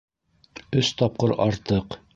Өс тапҡыр артыҡ